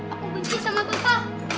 aku benci sama papa